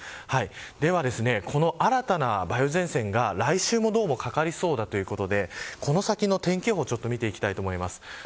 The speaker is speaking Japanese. では、この新たな梅雨前線が来週もどうもかかりそうだということでこの先の天気予報を見ていきたいと思います。